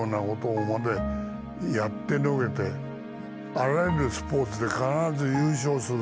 あらゆるスポーツで必ず優勝するって。